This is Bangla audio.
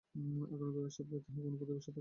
আক্রান্ত এসব খেতে কোনো প্রতিষেধক কাজ করছে না।